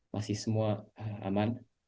masih semua aman